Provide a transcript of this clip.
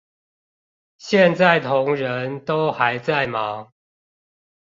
現在同仁都還在忙